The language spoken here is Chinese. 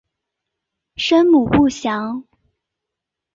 生母不详。